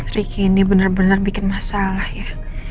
ricky ini bener bener bikin masalah ya